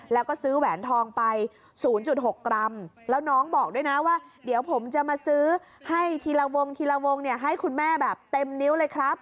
แล้วน้องบอกด้วยนะว่าเดี๋ยวผมจะมาซื้อให้ทีละวงให้คุณแม่แบบเต็มนิ้วเลยครับ